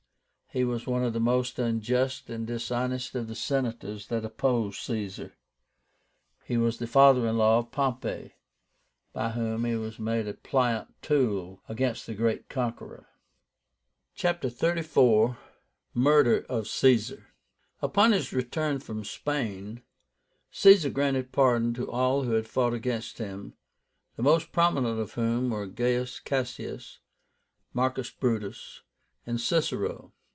He was one of the most unjust and dishonest of the Senators that opposed Caesar. He was the father in law of Pompey, by whom he was made a pliant tool against the great conqueror. CHAPTER XXXIV. MURDER OF CAESAR. Upon his return from Spain, Caesar granted pardon to all who had fought against him, the most prominent of whom were GAIUS CASSIUS, MARCUS BRUTUS, and CICERO.